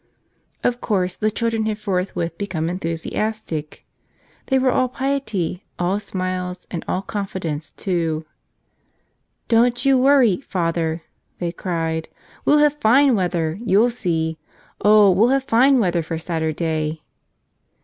Of course, the children had forth¬ with become enthusiastic. They were all piety, all smiles, and all confidence, too. "Don't you worry, Father," they cried. "We'll have fine weather; you'll see. Oh, we'll have fine weather for Saturday."